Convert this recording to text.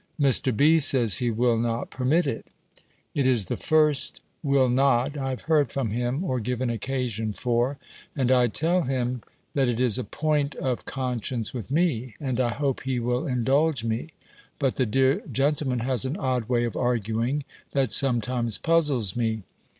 Mr. B. says, he will not permit it. It is the first will not I have heard from him, or given occasion for: and I tell him, that it is a point of conscience with me, and I hope he will indulge me: but the dear gentleman has an odd way of arguing, that sometimes puzzles me.